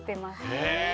へえ。